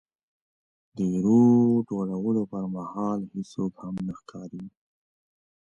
د ایرو ټولولو پرمهال هېڅوک هم نه ښکاري.